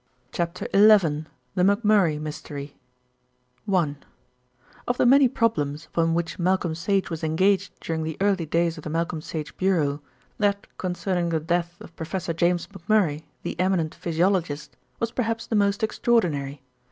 CHAPTER XI THE MCMURRAY MYSTERY I Of the many problems upon which Malcolm Sage was engaged during the early days of the Malcolm Sage Bureau, that concerning the death of Professor James McMurray, the eminent physiologist, was perhaps the most extraordinary.